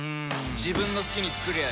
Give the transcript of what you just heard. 自分の好きに作りゃいい